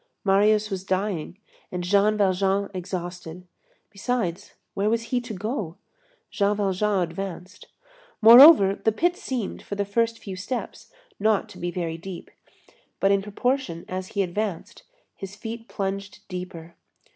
Marius was dying, and Jean Valjean exhausted. Besides, where was he to go? Jean Valjean advanced. Moreover, the pit seemed, for the first few steps, not to be very deep. But in proportion as he advanced, his feet plunged deeper.